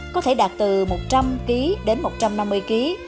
có thể đạt từ một trăm linh ký đến một trăm năm mươi kg